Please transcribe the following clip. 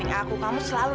ini apa bu